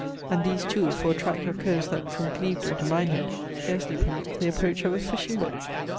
And these too for a tract of coast that, from Clevedon to Minehead, scarcely permits the approach of a fishing boat!